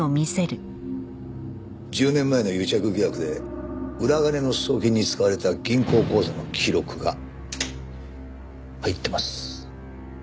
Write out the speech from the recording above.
１０年前の癒着疑惑で裏金の送金に使われた銀行口座の記録が入ってます。